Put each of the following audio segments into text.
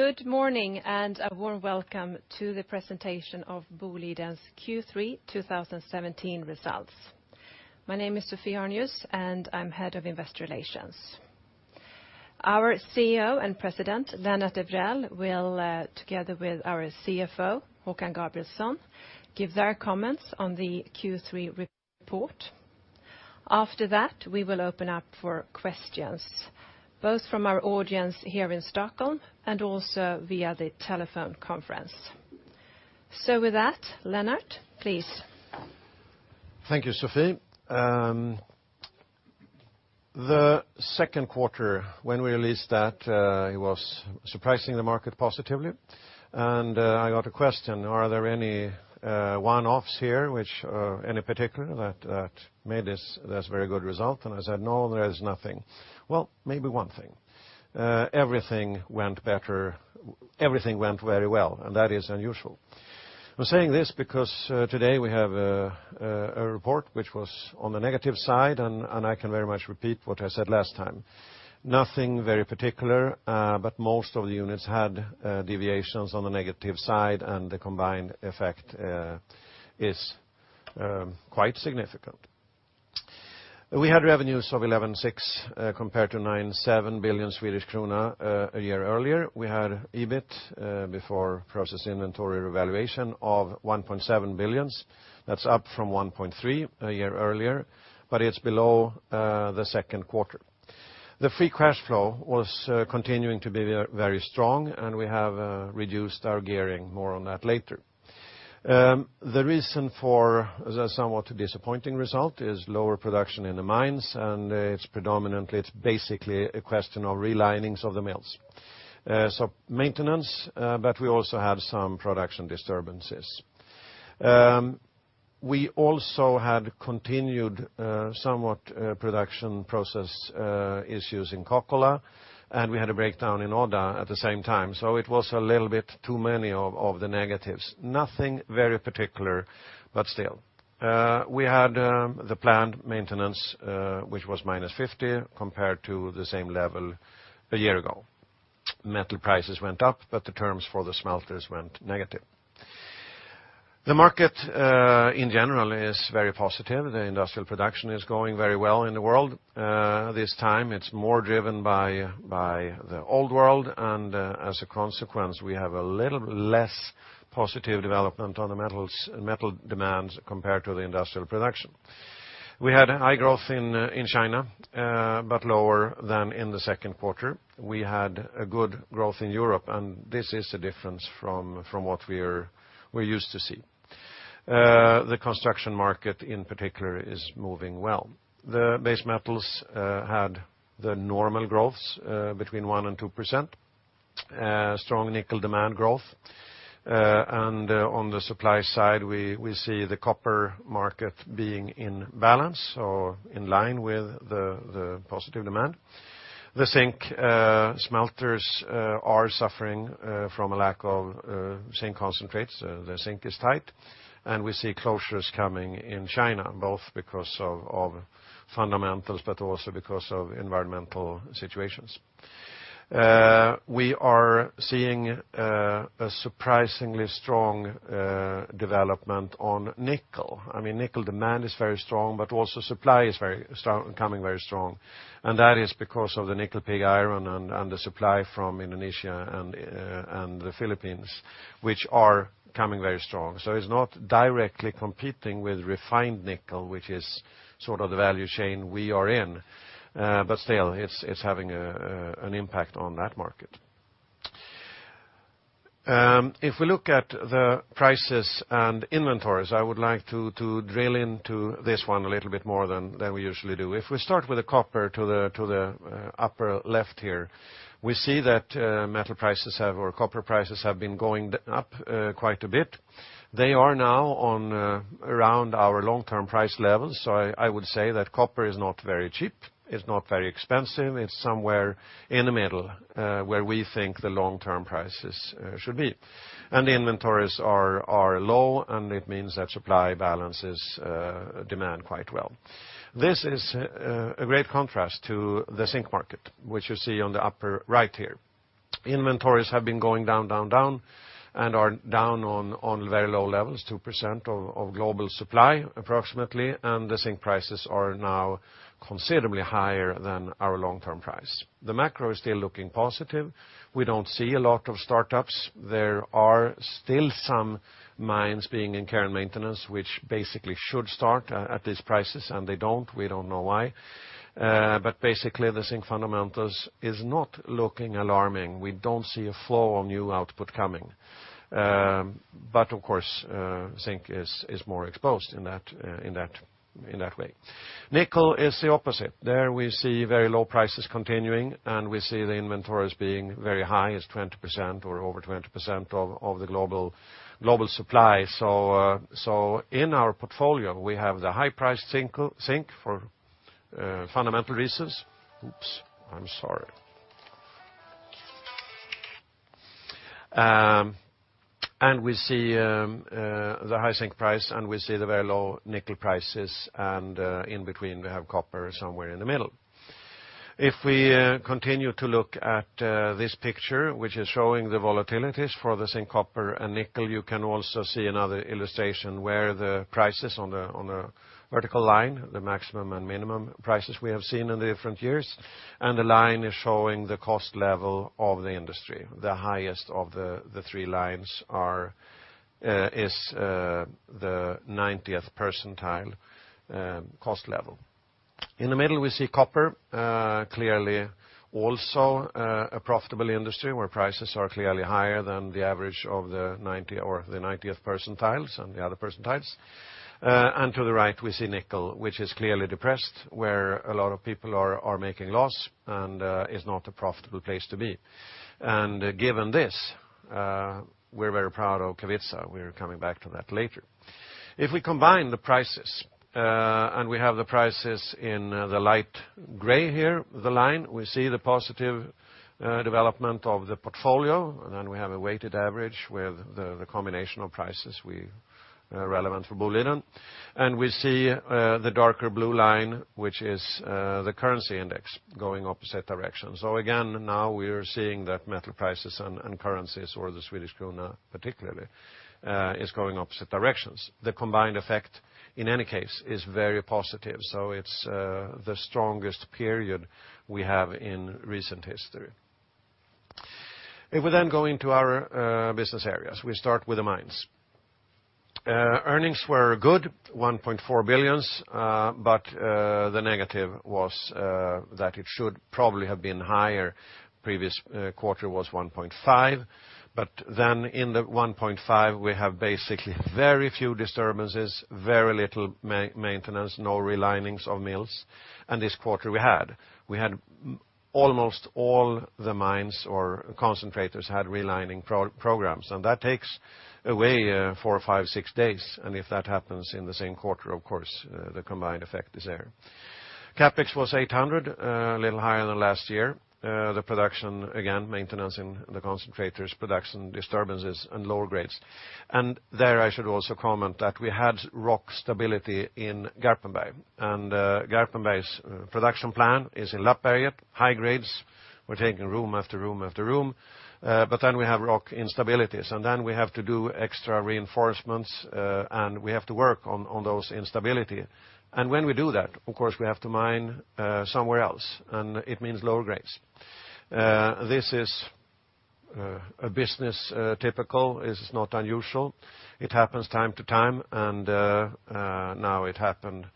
Good morning, and a warm welcome to the presentation of Boliden's Q3 2017 results. My name is Sophie Arnius, and I'm head of investor relations. Our CEO and President, Lennart Evrell, will together with our CFO, Håkan Gabrielsson, give their comments on the Q3 report. After that, we will open up for questions, both from our audience here in Stockholm and also via the telephone conference. With that, Lennart, please. Thank you, Sophie. The second quarter, when we released that, it was surprising the market positively. I got a question, are there any one-offs here, any particular that made this very good result? I said, "No, there is nothing." Well, maybe one thing. Everything went very well, and that is unusual. I'm saying this because today we have a report which was on the negative side, and I can very much repeat what I said last time. Nothing very particular, but most of the units had deviations on the negative side, and the combined effect is quite significant. We had revenues of 11.6 billion compared to 9.7 billion Swedish krona a year earlier. We had EBIT before process inventory revaluation of 1.7 billion. That's up from 1.3 billion a year earlier, but it's below the second quarter. The free cash flow was continuing to be very strong, and we have reduced our gearing. More on that later. The reason for the somewhat disappointing result is lower production in the mines, and it's basically a question of relinings of the mills. Maintenance, but we also had some production disturbances. We also had continued somewhat production process issues in Kokkola, and we had a breakdown in Odda at the same time, so it was a little bit too many of the negatives. Nothing very particular, but still. We had the planned maintenance, which was minus 50 million, compared to the same level a year ago. Metal prices went up, but the terms for the smelters went negative. The market in general is very positive. The industrial production is going very well in the world. This time it's more driven by the old world, and as a consequence, we have a little less positive development on the metal demands compared to the industrial production. We had high growth in China, but lower than in the second quarter. We had a good growth in Europe, and this is a difference from what we're used to see. The construction market in particular is moving well. The base metals had the normal growths between 1% and 2%. Strong nickel demand growth. On the supply side, we see the copper market being in balance or in line with the positive demand. The zinc smelters are suffering from a lack of zinc concentrates. The zinc is tight, and we see closures coming in China, both because of fundamentals, but also because of environmental situations. We are seeing a surprisingly strong development on nickel. Nickel demand is very strong, but also supply is coming very strong, and that is because of the nickel pig iron and the supply from Indonesia and the Philippines, which are coming very strong. It's not directly competing with refined nickel, which is sort of the value chain we are in. Still, it's having an impact on that market. If we look at the prices and inventories, I would like to drill into this one a little bit more than we usually do. If we start with the copper to the upper left here, we see that metal prices or copper prices have been going up quite a bit. They are now on around our long-term price levels. I would say that copper is not very cheap. It's not very expensive. It's somewhere in the middle, where we think the long-term prices should be. The inventories are low, and it means that supply balances demand quite well. This is a great contrast to the zinc market, which you see on the upper right here. Inventories have been going down, and are down on very low levels, 2% of global supply, approximately, and the zinc prices are now considerably higher than our long-term price. The macro is still looking positive. We don't see a lot of startups. There are still some mines being in care and maintenance, which basically should start at these prices, and they don't. We don't know why. Basically the zinc fundamentals is not looking alarming. We don't see a flow of new output coming. Of course, zinc is more exposed in that way. Nickel is the opposite. There we see very low prices continuing, and we see the inventories being very high as 20% or over 20% of the global supply. In our portfolio, we have the high price zinc for fundamental reasons. Oops, I'm sorry. We see the high zinc price and we see the very low nickel prices, and in between, we have copper somewhere in the middle. If we continue to look at this picture, which is showing the volatilities for the zinc, copper, and nickel, you can also see another illustration where the prices on the vertical line, the maximum and minimum prices we have seen in the different years, and the line is showing the cost level of the industry. The highest of the three lines is the 90th percentile cost level. In the middle, we see copper, clearly also a profitable industry where prices are clearly higher than the average of the 90th percentiles and the other percentiles. To the right, we see nickel, which is clearly depressed, where a lot of people are making loss and is not a profitable place to be. Given this, we're very proud of Kevitsa. We're coming back to that later. If we combine the prices, we have the prices in the light gray here, the line, we see the positive development of the portfolio, then we have a weighted average with the combination of prices relevant for Boliden. We see the darker blue line, which is the currency index going opposite direction. Again, now we're seeing that metal prices and currencies or the Swedish krona particularly, is going opposite directions. The combined effect, in any case, is very positive. It's the strongest period we have in recent history. If we then go into our business areas, we start with the mines. Earnings were good, 1.4 billion, but the negative was that it should probably have been higher. Previous quarter was 1.5 billion, but then in the 1.5 billion, we have basically very few disturbances, very little maintenance, no relinings of mills. This quarter we had. We had almost all the mines or concentrators had relining programs. That takes away four, five, six days, and if that happens in the same quarter, of course, the combined effect is there. CapEx was 800 million, a little higher than last year. The production, again, maintenance in the concentrators, production disturbances, and lower grades. There I should also comment that we had rock stability in Garpenberg. Garpenberg's production plan is in Lappberget, high grades. We're taking room after room after room. We have rock instabilities, and then we have to do extra reinforcements, and we have to work on those instability. When we do that, of course, we have to mine somewhere else, and it means lower grades. This is a business typical, is not unusual. It happens time to time, and now it happened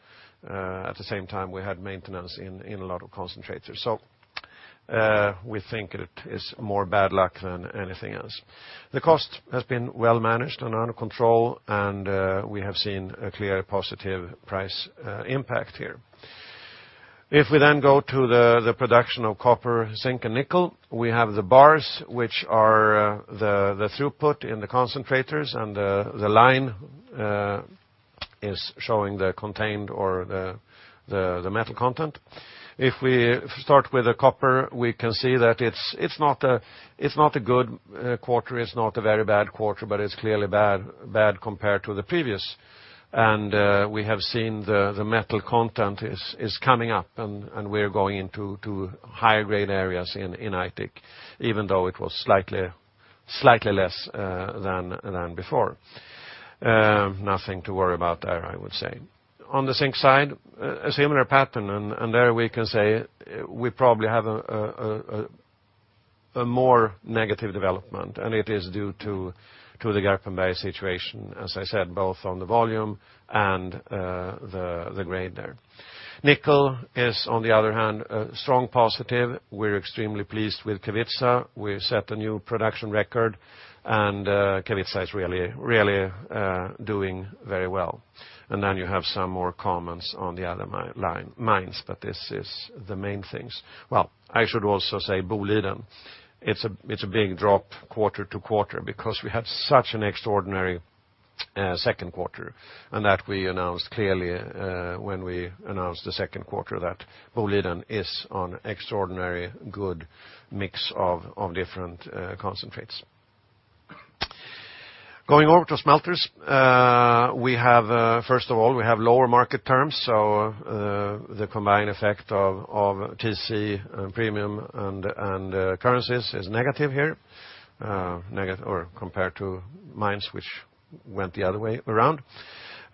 at the same time we had maintenance in a lot of concentrators. We think it is more bad luck than anything else. The cost has been well managed and under control, and we have seen a clear positive price impact here. If we go to the production of copper, zinc, and nickel, we have the bars, which are the throughput in the concentrators, and the line is showing the contained or the metal content. If we start with the copper, we can see that it's not a good quarter, it's not a very bad quarter, but it's clearly bad compared to the previous. We have seen the metal content is coming up, and we're going into higher grade areas in Aitik, even though it was slightly less than before. Nothing to worry about there, I would say. On the zinc side, a similar pattern, and there we can say we probably have a more negative development. It is due to the Garpenberg situation, as I said, both on the volume and the grade there. Nickel is, on the other hand, a strong positive. We're extremely pleased with Kevitsa. We've set a new production record, and Kevitsa is really doing very well. You have some more comments on the other mines, but this is the main things. I should also say Boliden. It's a big drop quarter-to-quarter because we had such an extraordinary second quarter. That we announced clearly when we announced the second quarter that Boliden is on extraordinary good mix of different concentrates. Going over to smelters. First of all, we have lower market terms. The combined effect of TC and premium and currencies is negative here, or compared to mines, which went the other way around.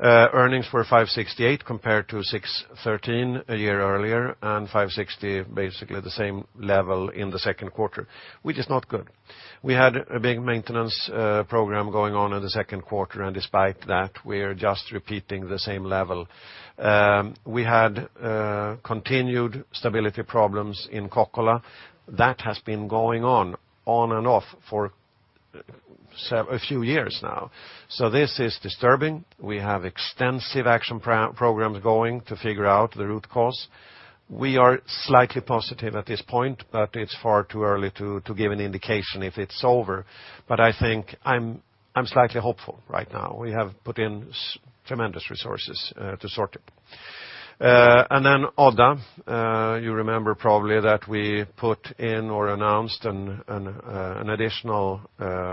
Earnings were 568 million compared to 613 million a year earlier, and 560 million basically the same level in the second quarter, which is not good. We had a big maintenance program going on in the second quarter. Despite that, we're just repeating the same level. We had continued stability problems in Kokkola. That has been going on and off for a few years now. This is disturbing. We have extensive action programs going to figure out the root cause. We are slightly positive at this point, but it's far too early to give an indication if it's over. I think I'm slightly hopeful right now. We have put in tremendous resources to sort it. Odda, you remember probably that we put in or announced an additional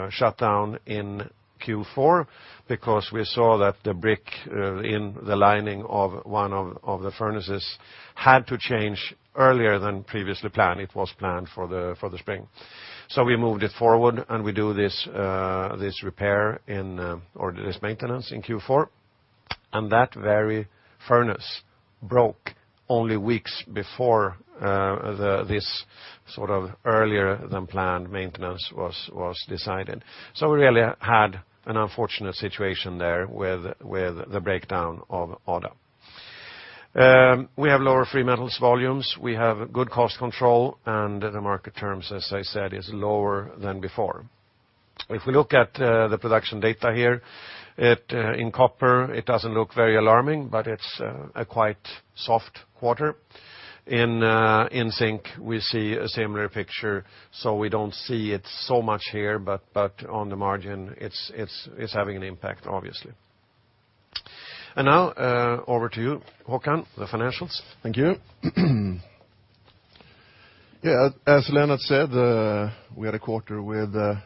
shutdown in Q4 because we saw that the brick in the lining of one of the furnaces had to change earlier than previously planned. It was planned for the spring. We moved it forward, and we do this repair or this maintenance in Q4, and that very furnace broke only weeks before this earlier than planned maintenance was decided. We really had an unfortunate situation there with the breakdown of Odda. We have lower free metals volumes, we have good cost control. The market terms, as I said, is lower than before. If we look at the production data here, in copper, it doesn't look very alarming, but it's a quite soft quarter. In zinc, we see a similar picture, we don't see it so much here, but on the margin, it's having an impact, obviously. Over to you, Håkan, the financials. Thank you. As Lennart said, we had a quarter with a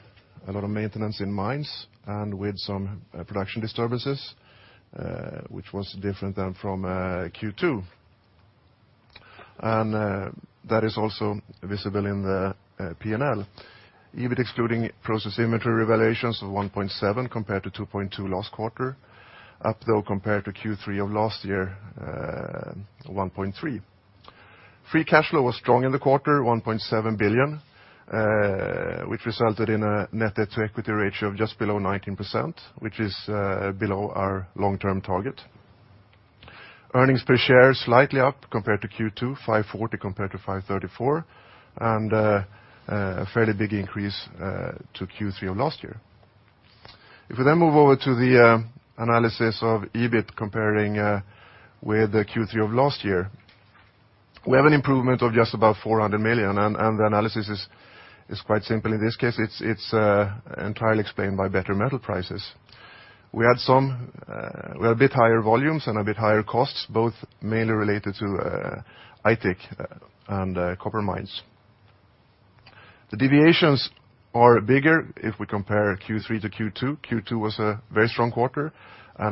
lot of maintenance in mines and with some production disturbances, which was different than from Q2. That is also visible in the P&L. EBIT excluding process inventory revaluation of 1.7 billion compared to 2.2 billion last quarter, up though compared to Q3 of last year, 1.3 billion. Free cash flow was strong in the quarter, 1.7 billion, which resulted in a net debt to equity ratio of just below 19%, which is below our long-term target. Earnings per share slightly up compared to Q2, 540 compared to 534. A fairly big increase to Q3 of last year. We move over to the analysis of EBIT comparing with the Q3 of last year, we have an improvement of just about 400 million. The analysis is quite simple in this case. It's entirely explained by better metal prices. We had a bit higher volumes. A bit higher costs, both mainly related to Aitik and copper mines. The deviations are bigger if we compare Q3 to Q2. Q2 was a very strong quarter,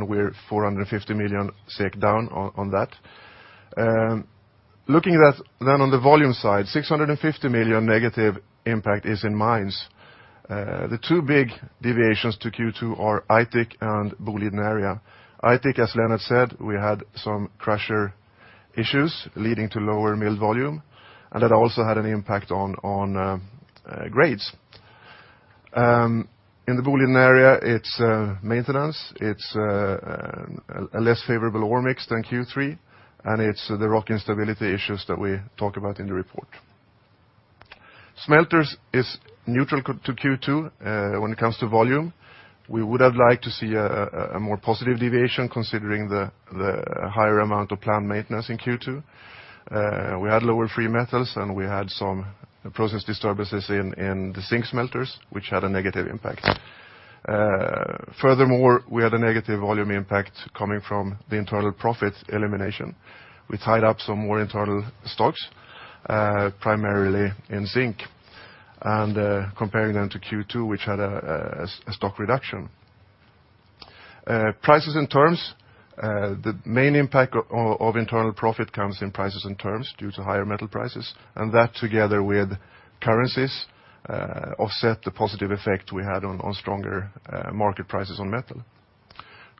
we're 450 million SEK down on that. On the volume side, 650 million negative impact is in mines. The two big deviations to Q2 are Aitik and Boliden Area. Aitik, as Lennart said, we had some crusher issues leading to lower mill volume, that also had an impact on grades. In the Boliden Area, it's maintenance, it's a less favorable ore mix than Q3, it's the rock instability issues that we talk about in the report. Smelters is neutral to Q2 when it comes to volume. We would have liked to see a more positive deviation considering the higher amount of plant maintenance in Q2. We had lower free metals, and we had some process disturbances in the zinc smelters, which had a negative impact. Furthermore, we had a negative volume impact coming from the internal profit elimination. We tied up some more internal stocks, primarily in zinc, and comparing them to Q2, which had a stock reduction. Prices and terms. The main impact of internal profit comes in prices and terms due to higher metal prices, and that together with currencies offset the positive effect we had on stronger market prices on metal.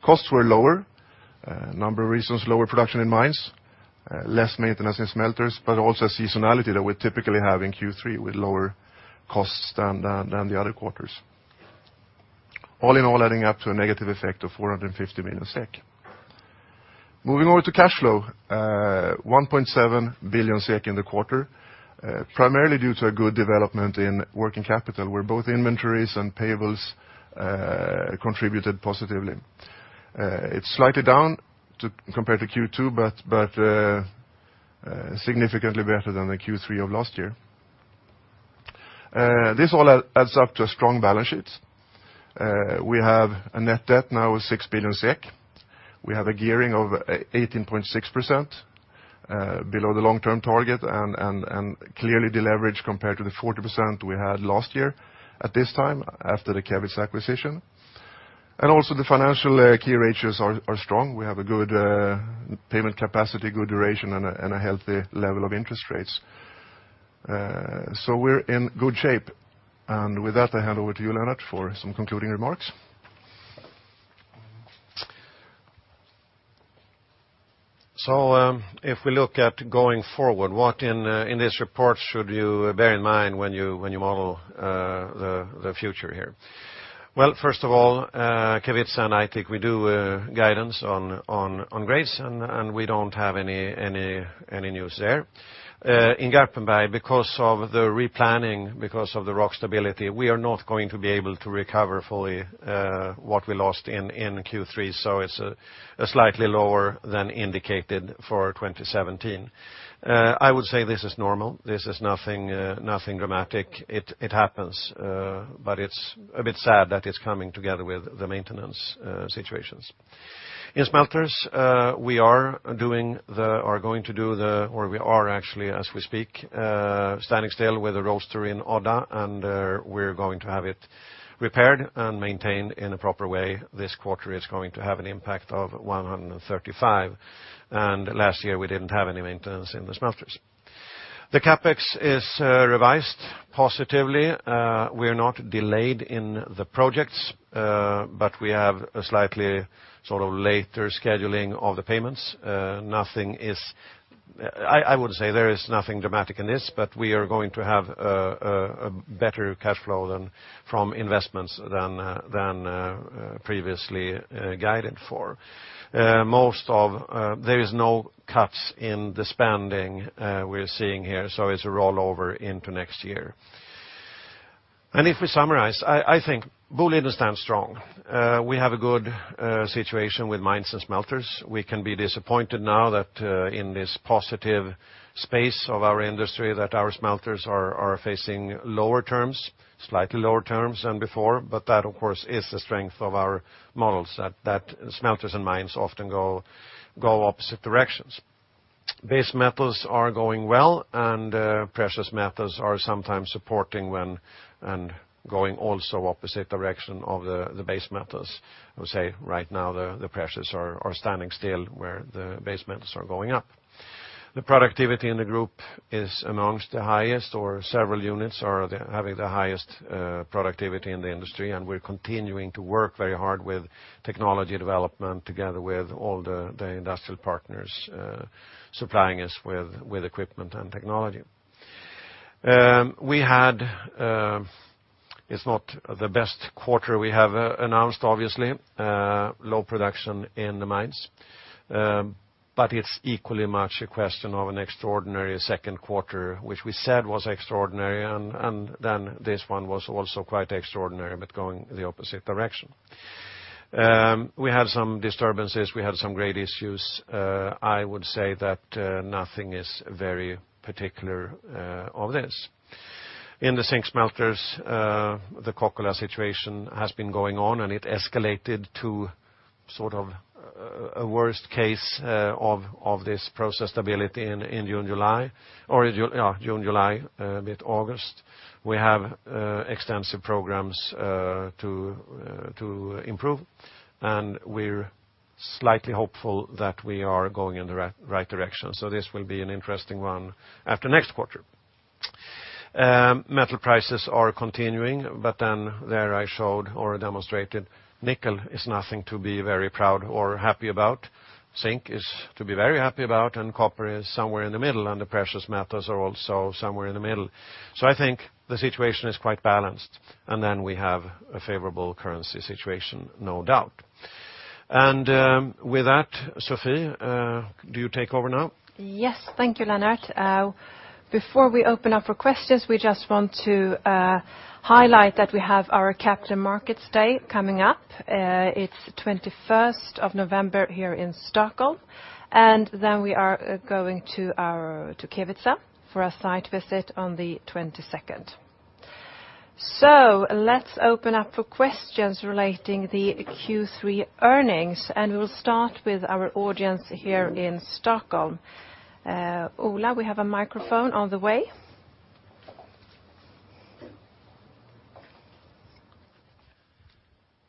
Costs were lower. A number of reasons, lower production in mines, less maintenance in smelters, but also seasonality that we typically have in Q3 with lower costs than the other quarters. All in all, adding up to a negative effect of 450 million SEK. Moving over to cash flow. 1.7 billion SEK in the quarter, primarily due to a good development in working capital, where both inventories and payables contributed positively. It's slightly down compared to Q2, but significantly better than the Q3 of last year. This all adds up to a strong balance sheet. We have a net debt now of 6 billion SEK. We have a gearing of 18.6%, below the long-term target, and clearly deleveraged compared to the 40% we had last year at this time after the Kevitsa acquisition. Also the financial key ratios are strong. We have a good payment capacity, good duration, and a healthy level of interest rates. We're in good shape. With that, I hand over to you, Lennart, for some concluding remarks. If we look at going forward, what in this report should you bear in mind when you model the future here? Well, first of all, Kevitsa and Aitik, we do guidance on grades. We don't have any news there. In Garpenberg, because of the replanning, because of the rock stability, we are not going to be able to recover fully what we lost in Q3. It's slightly lower than indicated for 2017. I would say this is normal. This is nothing dramatic. It happens. It's a bit sad that it's coming together with the maintenance situations. In smelters, we are going to do the or we are actually, as we speak standing still with the roaster in Odda. We're going to have it repaired and maintained in a proper way. This quarter is going to have an impact of 135. Last year we didn't have any maintenance in the smelters. The CapEx is revised positively. We're not delayed in the projects. We have a slightly later scheduling of the payments. I would say there is nothing dramatic in this. We are going to have a better cash flow from investments than previously guided for. There is no cuts in the spending we're seeing here. It's a rollover into next year. If we summarize, I think Boliden stands strong. We have a good situation with mines and smelters. We can be disappointed now that in this positive space of our industry that our smelters are facing slightly lower terms than before. That, of course, is the strength of our models, that smelters and mines often go opposite directions. Base metals are going well, precious metals are sometimes supporting when and going also opposite direction of the base metals. I would say right now the precious are standing still where the base metals are going up. The productivity in the group is amongst the highest, or several units are having the highest productivity in the industry, and we're continuing to work very hard with technology development together with all the industrial partners supplying us with equipment and technology. It's not the best quarter we have announced, obviously. Low production in the mines. It's equally much a question of an extraordinary second quarter, which we said was extraordinary, this one was also quite extraordinary, but going the opposite direction. We had some disturbances. We had some grade issues. I would say that nothing is very particular of this. In the zinc smelters, the Kokkola situation has been going on, it escalated to a worst case of this process stability in June, July, mid-August. We have extensive programs to improve, we're slightly hopeful that we are going in the right direction. This will be an interesting one after next quarter. Metal prices are continuing, there I showed or demonstrated nickel is nothing to be very proud or happy about. Zinc is to be very happy about, copper is somewhere in the middle, the precious metals are also somewhere in the middle. I think the situation is quite balanced, we have a favorable currency situation, no doubt. With that, Sophie, do you take over now? Yes. Thank you, Lennart. Before we open up for questions, we just want to highlight that we have our Capital Markets Day coming up. It's the 21st of November here in Stockholm, we are going to Kevitsa for a site visit on the 22nd. Let's open up for questions relating the Q3 earnings, we will start with our audience here in Stockholm. Ola, we have a microphone on the way.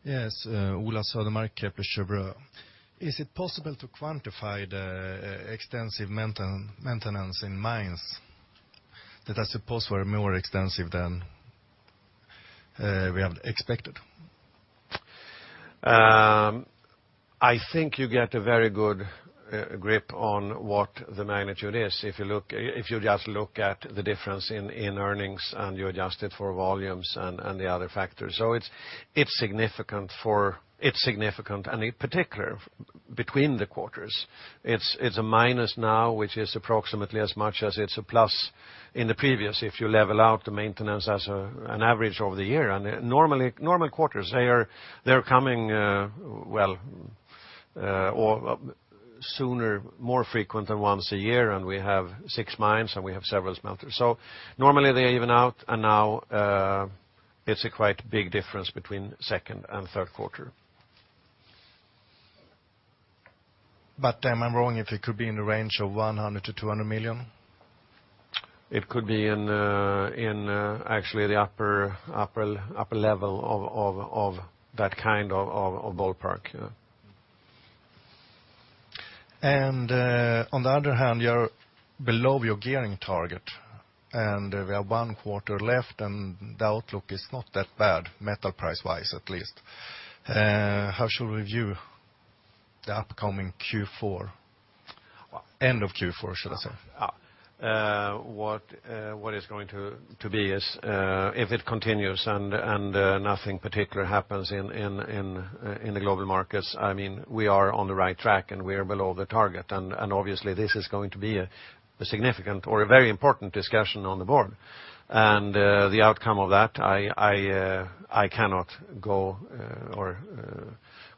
Yes. Ola Södermark, Kepler Cheuvreux. Is it possible to quantify the extensive maintenance in mines that I suppose were more extensive than we have expected? I think you get a very good grip on what the magnitude is if you just look at the difference in earnings, and you adjust it for volumes and the other factors. It's significant, and in particular between the quarters. It's a minus now, which is approximately as much as it's a plus in the previous, if you level out the maintenance as an average over the year. Normal quarters, they're coming sooner, more frequent than once a year, and we have six mines, and we have several smelters. Normally they even out, and now it's a quite big difference between second and third quarter. Am I wrong if it could be in the range of 100 million-200 million? It could be in actually the upper level of that kind of ballpark. On the other hand, you're below your gearing target, and we have one quarter left, and the outlook is not that bad, metal price-wise, at least. How should we view the upcoming Q4? End of Q4, should I say. What is going to be is if it continues and nothing particular happens in the global markets, we are on the right track, and we are below the target. Obviously, this is going to be a significant or a very important discussion on the board. The outcome of that, I cannot go or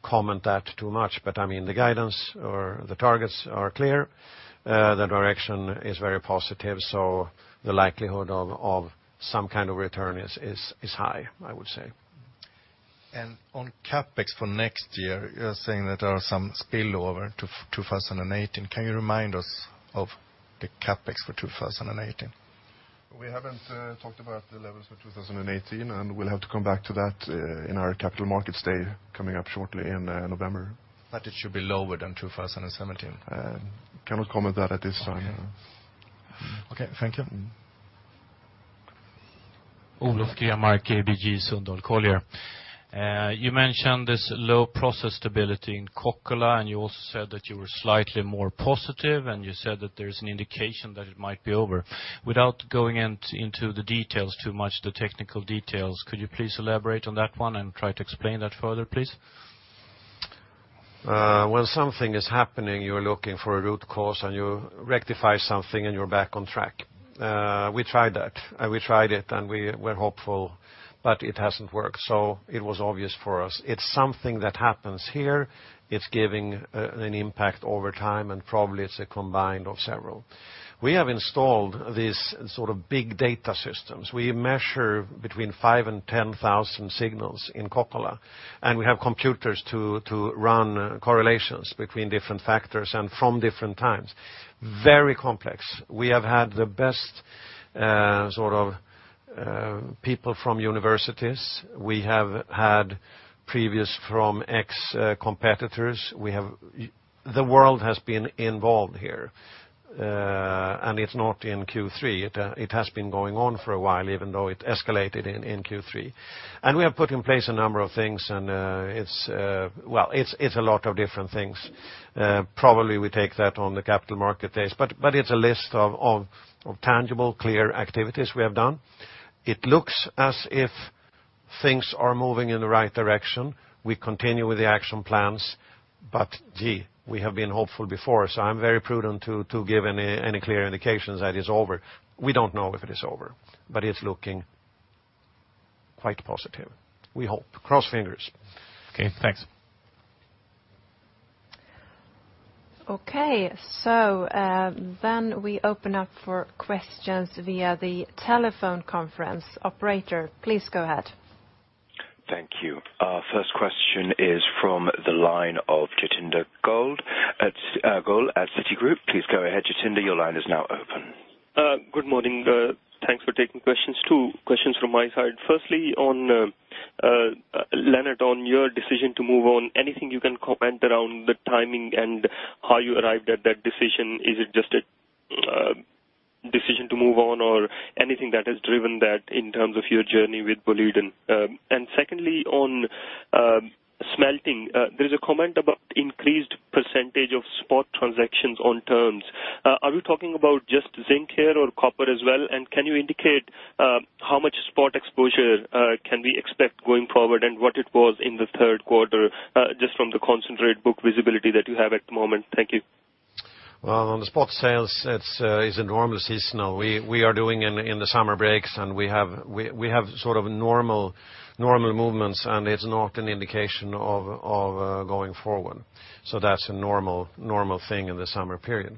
comment that too much, but the guidance or the targets are clear. The direction is very positive, so the likelihood of some kind of return is high, I would say. On CapEx for next year, you're saying that there are some spillover to 2018. Can you remind us of the CapEx for 2018? We haven't talked about the levels for 2018. We'll have to come back to that in our Capital Markets Day coming up shortly in November. It should be lower than 2017? I cannot comment that at this time. Okay. Thank you. Olof Grenmark, ABG Sundal Collier. You mentioned this low process stability in Kokkola, and you also said that you were slightly more positive, and you said that there's an indication that it might be over. Without going into the details too much, the technical details, could you please elaborate on that one and try to explain that further, please? When something is happening, you're looking for a root cause, and you rectify something, and you're back on track. We tried that. We tried it, and we're hopeful, but it hasn't worked. It was obvious for us. It's something that happens here. It's giving an impact over time, and probably it's a combined of several. We have installed these sort of big data systems. We measure between 5,000 and 10,000 signals in Kokkola, and we have computers to run correlations between different factors and from different times. Very complex. We have had the best sort of people from universities. We have had previous from ex-competitors. The world has been involved here. It's not in Q3. It has been going on for a while, even though it escalated in Q3. We have put in place a number of things and, well, it's a lot of different things. Probably we take that on the Capital Markets Day, but it's a list of tangible, clear activities we have done. It looks as if things are moving in the right direction. We continue with the action plans, but gee, we have been hopeful before, so I'm very prudent to give any clear indications that it's over. We don't know if it is over, but it's looking quite positive. We hope. Cross fingers. Okay, thanks. Okay. We open up for questions via the telephone conference. Operator, please go ahead. Thank you. Our first question is from the line of Jatinder Goel at Citigroup. Please go ahead, Jatinder, your line is now open. Good morning. Thanks for taking questions. Two questions from my side. Firstly, Lennart, on your decision to move on, anything you can comment around the timing and how you arrived at that decision? Is it just a decision to move on, or anything that has driven that in terms of your journey with Boliden? Secondly, on smelting. There is a comment about increased percentage of spot transactions on terms. Are we talking about just zinc here or copper as well? Can you indicate how much spot exposure can we expect going forward, and what it was in the third quarter, just from the concentrate book visibility that you have at the moment? Thank you. Well, on the spot sales, it's enormously seasonal. We are doing in the summer breaks, and we have sort of normal movements, and it's not an indication of going forward. That's a normal thing in the summer period.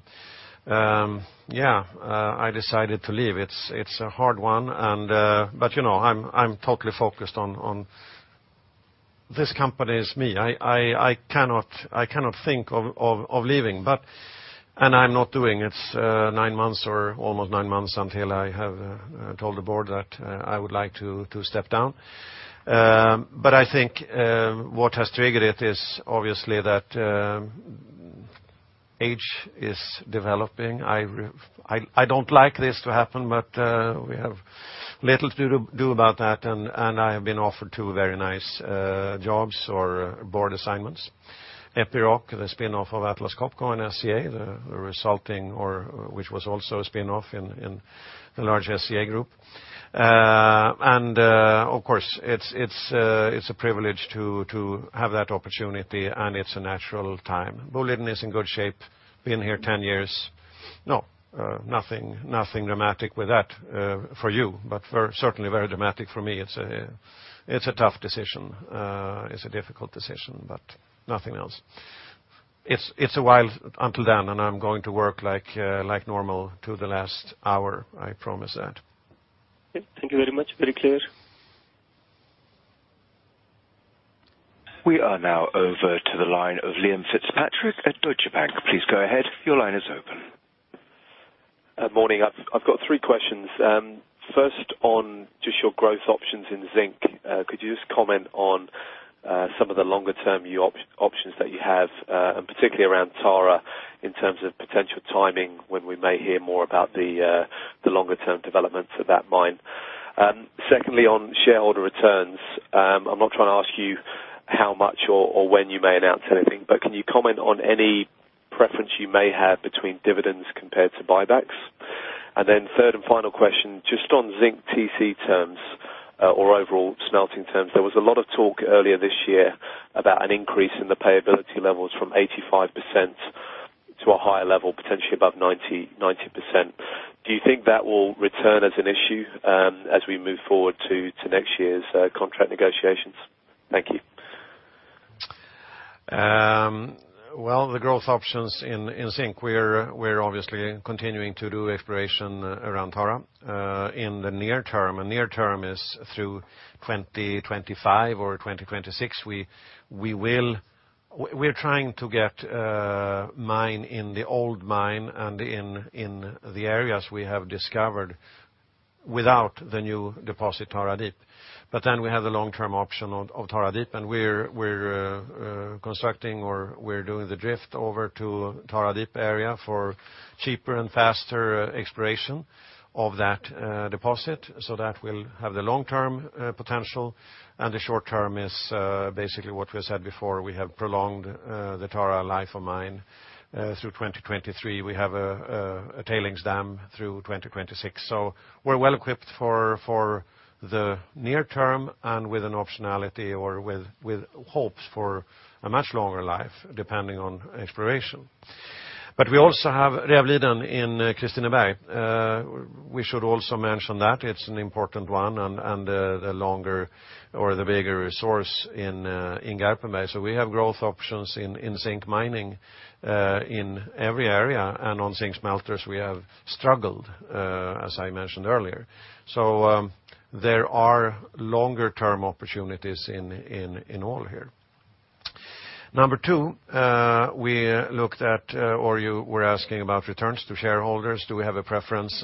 Yeah. I decided to leave. It's a hard one. I'm totally focused on this company as me. I cannot think of leaving, and I'm not doing. It's 9 months or almost 9 months until I have told the board that I would like to step down. I think what has triggered it is obviously that age is developing. I don't like this to happen, but we have little to do about that, and I have been offered two very nice jobs or board assignments. Epiroc, the spin-off of Atlas Copco and SCA, which was also a spin-off in the large SCA group. Of course, it's a privilege to have that opportunity, and it's a natural time. Boliden is in good shape. Been here 10 years. No, nothing dramatic with that for you, but certainly very dramatic for me. It's a tough decision. It's a difficult decision, but nothing else. It's a while until then, and I'm going to work like normal to the last hour, I promise that. Okay. Thank you very much. Very clear. We are now over to the line of Liam Fitzpatrick at Deutsche Bank. Please go ahead. Your line is open. Morning. I've got three questions. First on just your growth options in zinc. Could you just comment on some of the longer-term options that you have, and particularly around Tara in terms of potential timing, when we may hear more about the longer-term developments of that mine? Secondly, on shareholder returns. I'm not trying to ask you how much or when you may announce anything, but can you comment on any preference you may have between dividends compared to buybacks? Third and final question, just on zinc TC terms or overall smelting terms. There was a lot of talk earlier this year about an increase in the payability levels from 85% to a higher level, potentially above 90%. Do you think that will return as an issue as we move forward to next year's contract negotiations? Thank you. The growth options in zinc, we're obviously continuing to do exploration around Tara in the near term. Near term is through 2025 or 2026. We're trying to get mine in the old mine and in the areas we have discovered without the new deposit, Tara Deep. We have the long-term option of Tara Deep, and we're constructing or we're doing the drift over to Tara Deep area for cheaper and faster exploration of that deposit. That will have the long-term potential, and the short term is basically what we have said before. We have prolonged the Tara life of mine through 2023. We have a tailings dam through 2026. We're well equipped for the near term and with an optionality or with hopes for a much longer life, depending on exploration. We also have Rävliden in Kristineberg. We should also mention that it's an important one and the longer or the bigger resource in Garpenberg. We have growth options in zinc mining in every area. On zinc smelters, we have struggled as I mentioned earlier. There are longer-term opportunities in all here. Number two, we looked at or you were asking about returns to shareholders. Do we have a preference?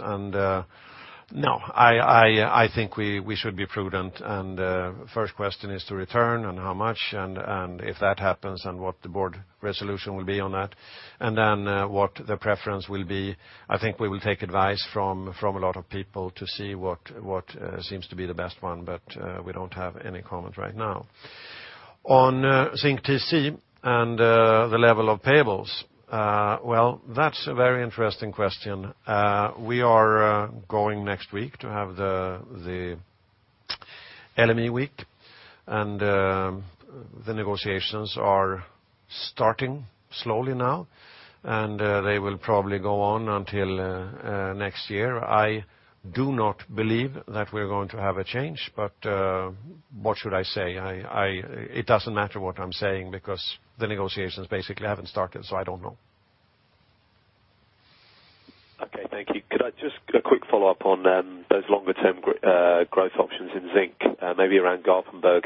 No, I think we should be prudent, and first question is to return and how much, and if that happens and what the board resolution will be on that, and what the preference will be. I think we will take advice from a lot of people to see what seems to be the best one, but we don't have any comment right now. On zinc TC and the level of payables. That's a very interesting question. We are going next week to have the LME Week. The negotiations are starting slowly now. They will probably go on until next year. I do not believe that we're going to have a change, what should I say? It doesn't matter what I'm saying because the negotiations basically haven't started. I don't know. Okay, thank you. Could I just get a quick follow-up on those longer-term growth options in zinc maybe around Garpenberg?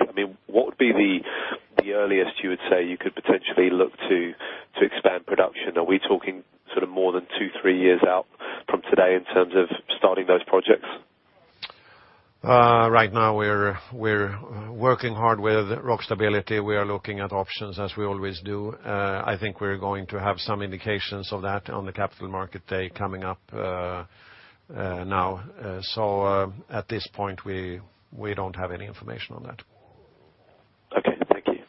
What would be the earliest you would say you could potentially look to expand production? Are we talking more than two, three years out from today in terms of starting those projects? Right now, we're working hard with rock stability. We are looking at options as we always do. I think we're going to have some indications of that on the Capital Markets Day coming up now. At this point, we don't have any information on that. Okay, thank you.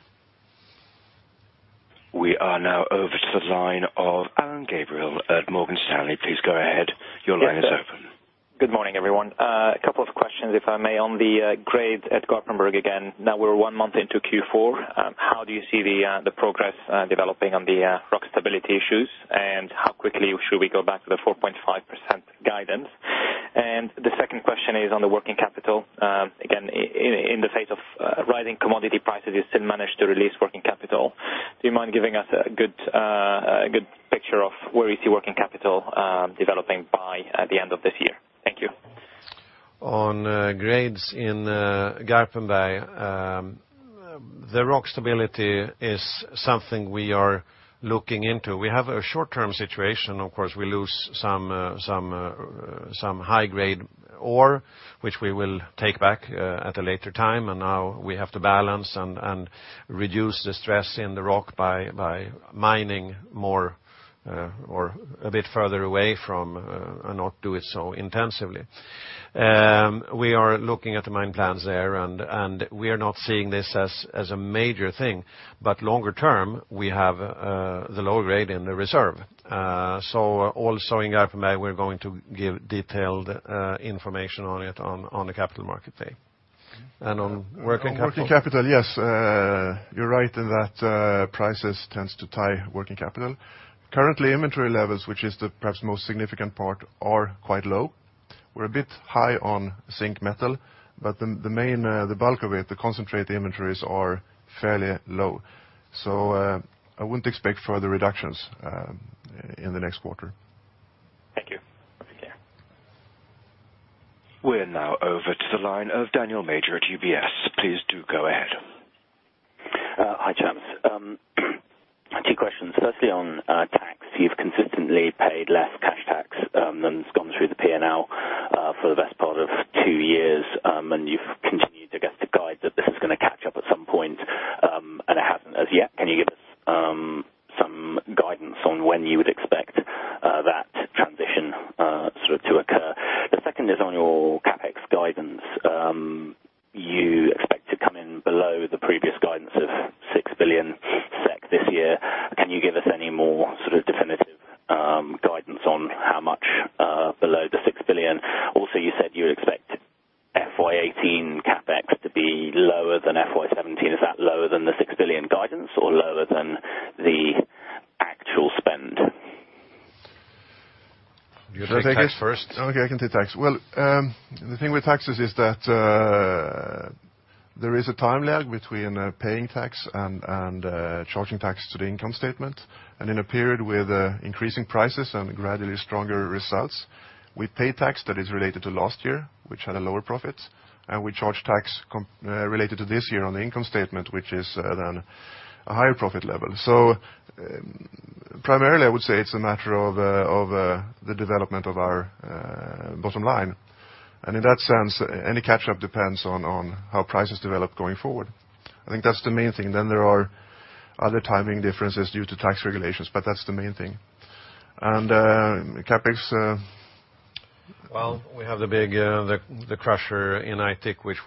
We are now over to the line of Alain Gabriel at Morgan Stanley. Please go ahead. Your line is open. Good morning, everyone. A couple of questions, if I may, on the grades at Garpenberg again. Now we're one month into Q4, how do you see the progress developing on the rock stability issues, and how quickly should we go back to the 4.5% guidance? The second question is on the working capital. Again, in the face of rising commodity prices, you still managed to release working capital. Do you mind giving us a good picture of where you see working capital developing by the end of this year? Thank you. On grades in Garpenberg, the rock stability is something we are looking into. We have a short-term situation. Of course, we lose some high-grade ore, which we will take back at a later time. Now we have to balance and reduce the stress in the rock by mining more or a bit further away from and not do it so intensively. We are looking at the mine plans there, and we are not seeing this as a major thing. Longer term, we have the low grade in the reserve. Also in Garpenberg, we're going to give detailed information on it on the Capital Markets Day. On working capital? On working capital, yes. You're right in that prices tends to tie working capital. Currently, inventory levels, which is the perhaps most significant part, are quite low. We're a bit high on zinc metal, but the bulk of it, the concentrate inventories, are fairly low. I wouldn't expect further reductions in the next quarter. Thank you. We're now over to the line of Daniel Major at UBS. Please do go ahead. Hi, chaps. Two questions. Firstly, on tax, you've consistently paid less cash tax than has gone through the P&L for the best part of two years, and you've continued to guide that this is going to catch up at some point, and it hasn't as yet. Can you give us some guidance on when you would expect that transition to occur? The second is on your CapEx guidance. You expect to come in below the previous guidance of 6 billion SEK this year. Can you give us any more definitive guidance on how much below the 6 billion? Also, you said you would expect FY 2018 CapEx to be lower than FY 2017. Is that lower than the 6 billion guidance or lower than the You take tax first. Okay, I can take tax. Well, the thing with taxes is that there is a time lag between paying tax and charging tax to the income statement. In a period with increasing prices and gradually stronger results, we pay tax that is related to last year, which had a lower profit, and we charge tax related to this year on the income statement, which is then a higher profit level. Primarily, I would say it's a matter of the development of our bottom line. In that sense, any catch-up depends on how prices develop going forward. I think that's the main thing. There are other timing differences due to tax regulations, but that's the main thing. CapEx. Well, we have the crusher in Aitik, which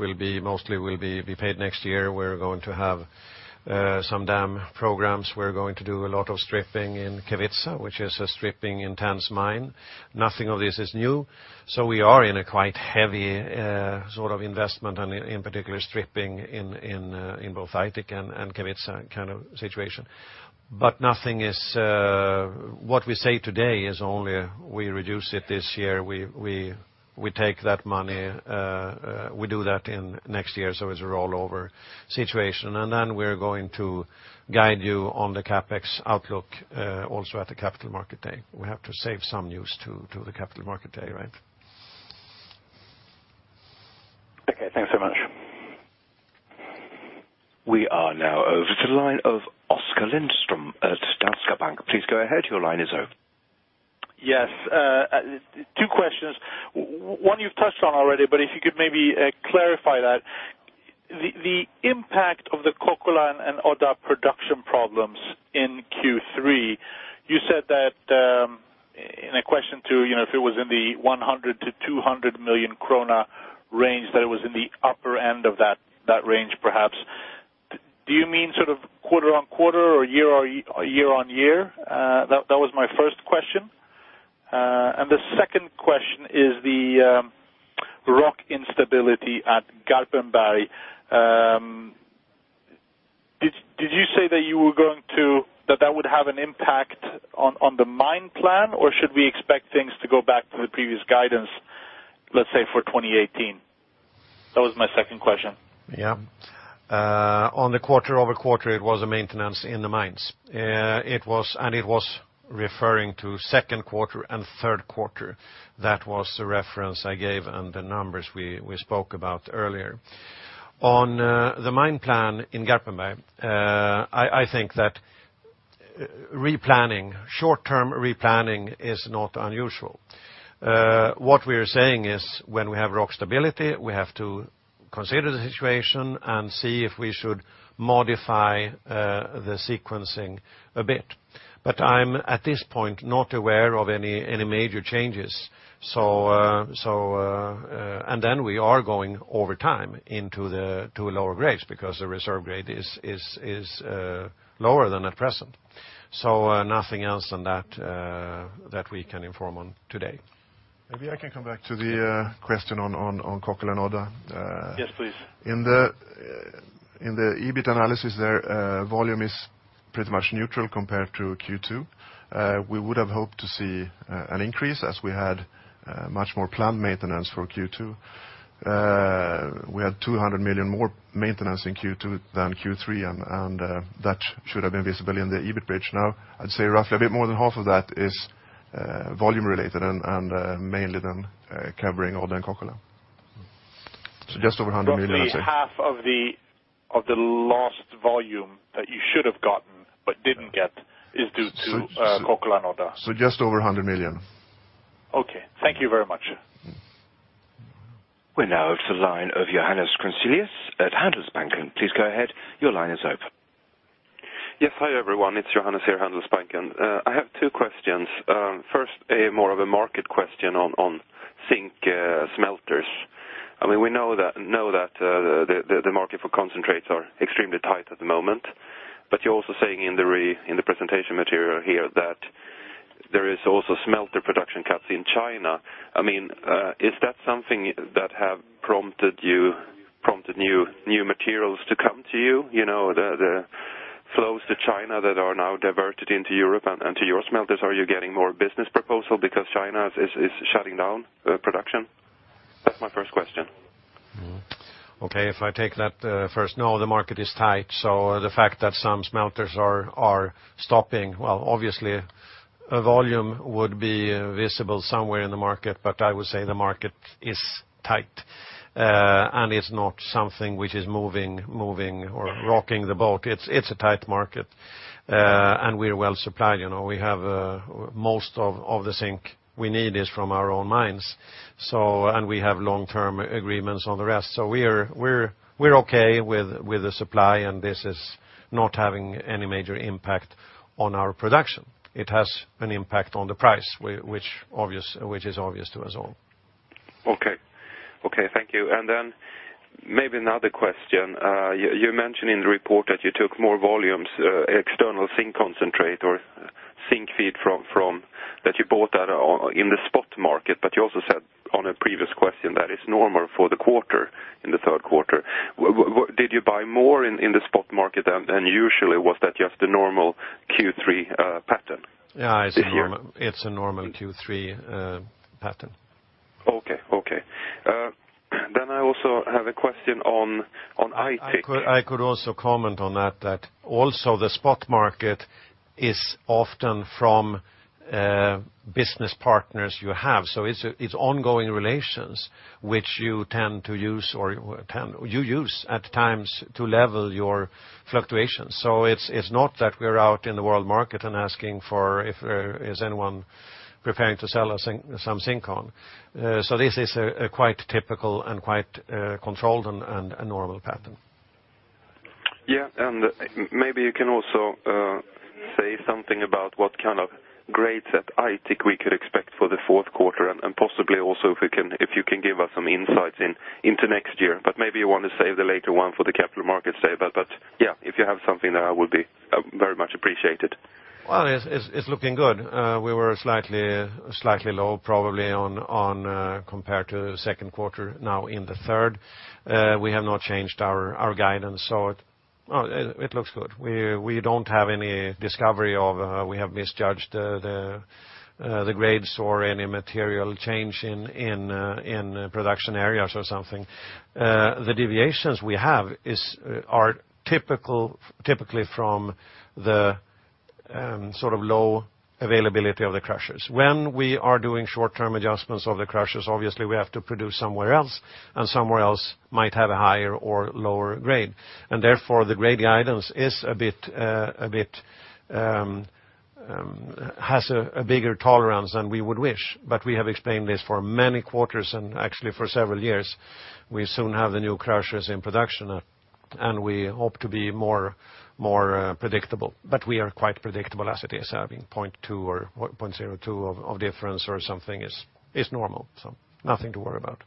mostly will be paid next year. We're going to have some dam programs. We're going to do a lot of stripping in Kevitsa, which is a stripping intense mine. Nothing of this is new. We are in a quite heavy sort of investment and in particular stripping in both Aitik and Kevitsa kind of situation. What we say today is only we reduce it this year. We take that money, we do that in next year, so it's a rollover situation. Then we're going to guide you on the CapEx outlook, also at the Capital Markets Day. We have to save some news to the Capital Markets Day, right? Okay, thanks very much. We are now over to the line of Oskar Lindström at Danske Bank. Please go ahead. Your line is open. Yes. Two questions. One you've touched on already, but if you could maybe clarify that. The impact of the Kokkola and Odda production problems in Q3, you said that, in a question too, if it was in the 100 million-200 million krona range, that it was in the upper end of that range, perhaps. Do you mean quarter-on-quarter or year-on-year? That was my first question. The second question is the rock instability at Garpenberg. Did you say that that would have an impact on the mine plan, or should we expect things to go back to the previous guidance, let's say, for 2018? That was my second question. Yeah. On the quarter-over-quarter, it was a maintenance in the mines. It was referring to second quarter and third quarter. That was the reference I gave and the numbers we spoke about earlier. On the mine plan in Garpenberg, I think that short-term replanning is not unusual. What we are saying is when we have rock stability, we have to consider the situation and see if we should modify the sequencing a bit. I'm, at this point, not aware of any major changes. We are going over time into lower grades because the reserve grade is lower than at present. Nothing else on that we can inform on today. Maybe I can come back to the question on Kokkola and Odda. Yes, please. In the EBIT analysis there, volume is pretty much neutral compared to Q2. We would have hoped to see an increase as we had much more planned maintenance for Q2. We had 200 million more maintenance in Q2 than Q3, and that should have been visible in the EBIT bridge. I'd say roughly a bit more than half of that is volume related and mainly then covering Odda and Kokkola. Just over 100 million, I'd say. Roughly half of the lost volume that you should have gotten but didn't get is due to Kokkola and Odda. Just over 100 million. Thank you very much. We're now to the line of Johannes Grunselius at Handelsbanken. Please go ahead. Your line is open. Yes. Hi, everyone. It's Johannes here at Handelsbanken. I have two questions. First, more of a market question on zinc smelters. We know that the market for concentrates are extremely tight at the moment, but you're also saying in the presentation material here that there is also smelter production cuts in China. Is that something that have prompted new materials to come to you? The flows to China that are now diverted into Europe and to your smelters. Are you getting more business proposal because China is shutting down production? That's my first question. Okay. If I take that first. No, the market is tight, so the fact that some smelters are stopping, well, obviously a volume would be visible somewhere in the market, but I would say the market is tight, and it's not something which is moving or rocking the boat. It's a tight market, and we're well supplied. Most of the zinc we need is from our own mines, and we have long-term agreements on the rest. We're okay with the supply, and this is not having any major impact on our production. It has an impact on the price, which is obvious to us all. Okay. Thank you. Then maybe another question. You mentioned in the report that you took more volumes, external zinc concentrate or zinc feed that you bought in the spot market, but you also said on a previous question. That is normal for the quarter in the third quarter. Did you buy more in the spot market than usually? Was that just a normal Q3 pattern? Yeah. This year. It's a normal Q3 pattern. Okay. I also have a question on Aitik. I could also comment on that also the spot market is often from business partners you have. It's ongoing relations which you tend to use or you use at times to level your fluctuations. It's not that we're out in the world market and asking if there is anyone preparing to sell us some zinc on. This is a quite typical and quite controlled and a normal pattern. Yeah. Maybe you can also say something about what kind of grades at Aitik we could expect for the fourth quarter, and possibly also if you can give us some insights into next year. Maybe you want to save the later one for the Capital Markets Day. Yeah, if you have something now, will be very much appreciated. Well, it's looking good. We were slightly low probably compared to the second quarter now in the third. We have not changed our guidance, so it looks good. We don't have any discovery of we have misjudged the grades or any material change in production areas or something. The deviations we have are typically from the low availability of the crushers. When we are doing short-term adjustments of the crushers, obviously, we have to produce somewhere else, and somewhere else might have a higher or lower grade. Therefore, the grade guidance has a bigger tolerance than we would wish. We have explained this for many quarters and actually for several years. We soon have the new crushers in production, and we hope to be more predictable, but we are quite predictable as it is. Having 0.2 of difference or something is normal, so nothing to worry about.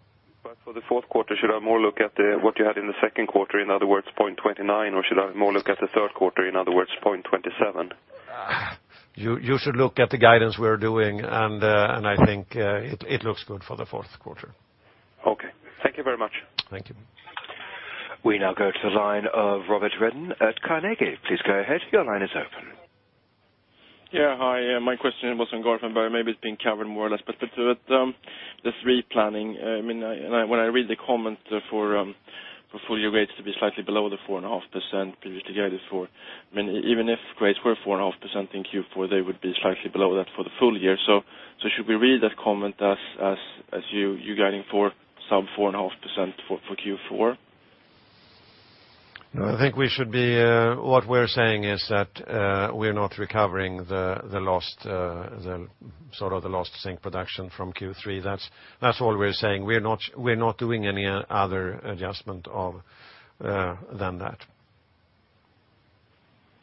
For the fourth quarter, should I more look at what you had in the second quarter, in other words, 0.29, or should I more look at the third quarter, in other words, 0.27? You should look at the guidance we're doing, and I think it looks good for the fourth quarter. Okay. Thank you very much. Thank you. We now go to the line of Robert Redin at Carnegie. Please go ahead. Your line is open. Hi, my question was on Garpenberg, maybe it's been covered more or less, but the three planning, when I read the comment for full year rates to be slightly below the 4.5% previously guided for. Even if grades were 4.5% in Q4, they would be slightly below that for the full year. Should we read that comment as you guiding for sub 4.5% for Q4? No, I think what we're saying is that we're not recovering the lost zinc production from Q3. That's all we're saying. We're not doing any other adjustment other than that.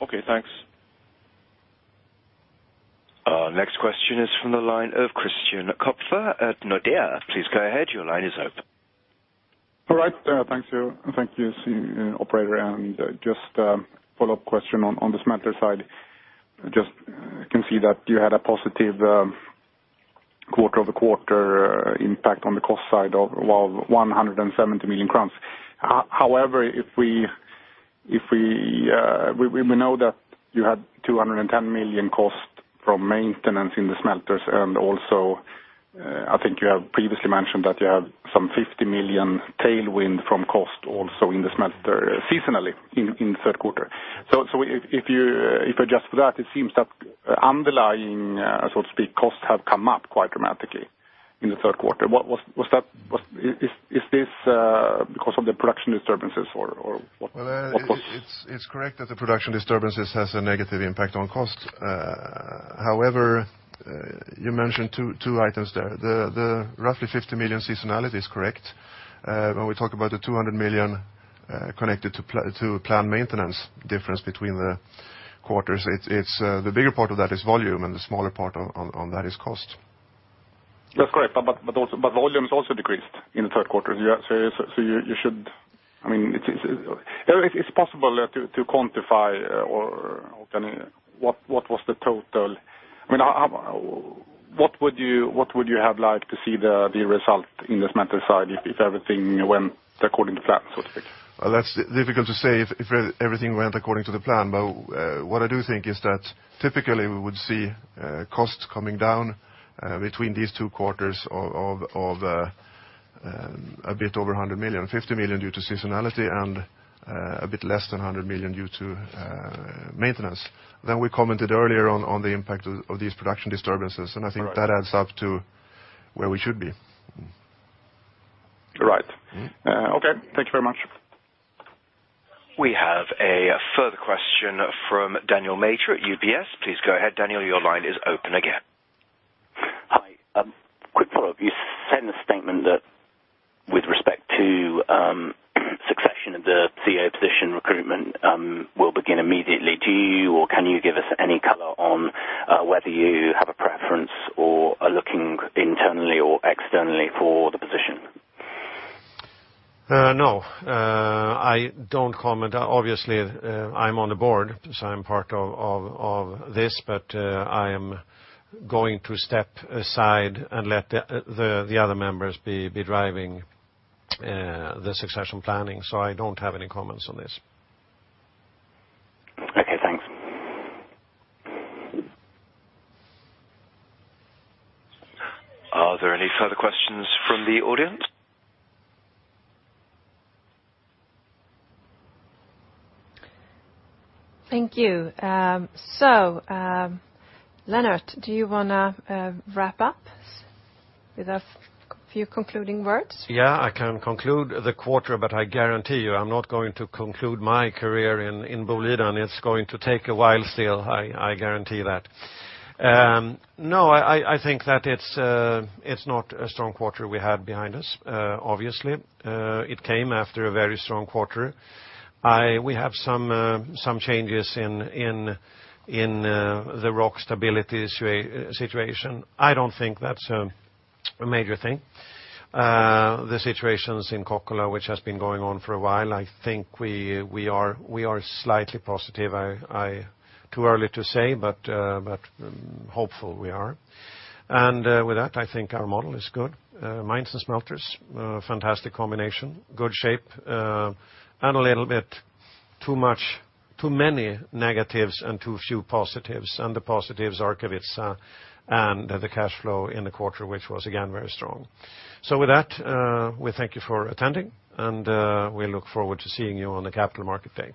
Okay, thanks. Our next question is from the line of Christian Kopfer at Nordea. Please go ahead. Your line is open. All right. Thank you. Thank you, operator. Just a follow-up question on the smelter side. Just can see that you had a positive quarter-over-quarter impact on the cost side of, well, 170 million crowns. However, we know that you had 210 million cost from maintenance in the smelters, and also, I think you have previously mentioned that you have some 50 million tailwind from cost also in the smelter seasonally in the third quarter. If you adjust for that, it seems that underlying, so to speak, costs have come up quite dramatically in the third quarter. Is this because of the production disturbances or what? Well, it's correct that the production disturbances has a negative impact on cost. However, you mentioned two items there. The roughly 50 million seasonality is correct. When we talk about the 200 million connected to planned maintenance difference between the quarters, the bigger part of that is volume, and the smaller part on that is cost. That's correct. Volumes also decreased in the third quarter. Is it possible to quantify or what was the total? What would you have liked to see the result in the smelter side if everything went according to plan, so to speak? Well, that's difficult to say if everything went according to the plan. What I do think is that typically we would see costs coming down between these two quarters of a bit over 100 million, 50 million due to seasonality and a bit less than 100 million due to maintenance. We commented earlier on the impact of these production disturbances, and I think that adds up to where we should be. Right. Okay. Thank you very much. We have a further question from Daniel Major at UBS. Please go ahead, Daniel, your line is open again. Hi. Quick follow-up. You said in the statement that with respect to succession of the CEO position recruitment will begin immediately. Do you or can you give us any color on whether you have a preference or are looking internally or externally for the position? No, I don't comment. Obviously, I'm on the board, so I'm part of this, but I am going to step aside and let the other members be driving the succession planning, so I don't have any comments on this. Okay, thanks. Are there any further questions from the audience? Thank you. Lennart, do you want to wrap up with a few concluding words? I can conclude the quarter, but I guarantee you, I'm not going to conclude my career in Boliden. It's going to take a while still, I guarantee that. I think that it's not a strong quarter we had behind us. Obviously, it came after a very strong quarter. We have some changes in the rock stability situation. I don't think that's a major thing. The situations in Kokkola, which has been going on for a while, I think we are slightly positive. Too early to say, but hopeful we are. With that, I think our model is good. Mines and smelters, fantastic combination, good shape, and a little bit too many negatives and too few positives, and the positives are Kevitsa and the cash flow in the quarter, which was again very strong. With that, we thank you for attending, and we look forward to seeing you on the Capital Market Day.